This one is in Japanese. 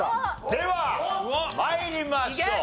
では参りましょう。